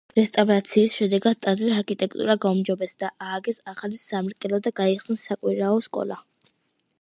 რესტავრაციის შედეგად ტაძრის არქიტექტურა გაუმჯობესდა, ააგეს ახალი სამრეკლო და გაიხსნა საკვირაო სკოლა.